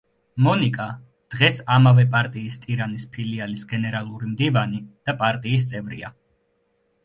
მონიკა დღეს ამავე პარტიის ტირანის ფილიალის გენერალური მდივანი და პარტიის წევრია.